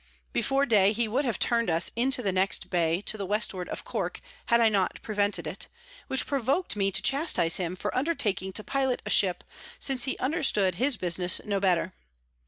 Before day he would have turn'd us into the next Bay to the Westward of Cork, had not I prevented it; which provok'd me to chastise him for undertaking to pilot a Ship, since he understood his Business no better.